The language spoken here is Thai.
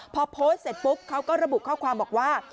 พอโพสต์เสร็จปุ๊บเขาก็ระบุข้อความบอกว่า